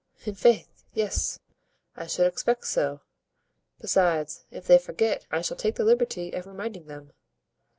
"I'faith! yes—I should expect so; besides, if they forget, I shall take the liberty of reminding them."